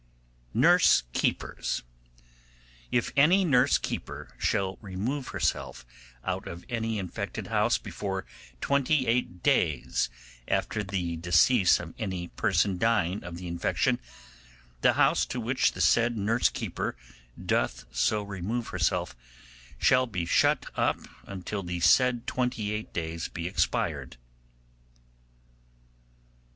Nurse keepers. 'If any nurse keeper shall remove herself out of any infected house before twenty eight days after the decease of any person dying of the infection, the house to which the said nurse keeper doth so remove herself shall be shut up until the said twenty eight days be expired.